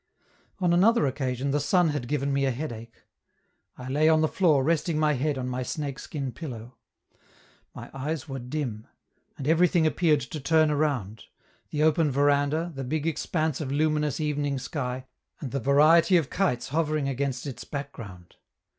On another occasion the sun had given me a headache; I lay on the floor resting my head on my snake skin pillow. My eyes were dim; and everything appeared to turn around: the open veranda, the big expanse of luminous evening sky, and a variety of kites hovering against its background.